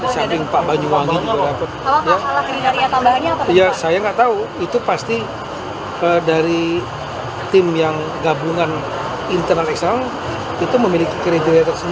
saya nggak tahu itu pasti dari tim yang gabungan internal eksternal